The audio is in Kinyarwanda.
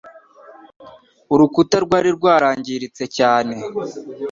urukuta rwari rwarangiritse cyane